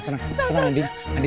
tenang tenang andi